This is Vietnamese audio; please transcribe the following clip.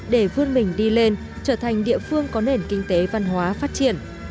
để vươn mình đi lên trở thành địa phương có nền kinh tế văn hóa phát triển